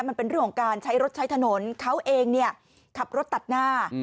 มันเป็นเรื่องของการใช้รถใช้ถนนเขาเองเนี่ยขับรถตัดหน้า